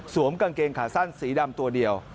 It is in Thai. กางเกงขาสั้นสีดำตัวเดียว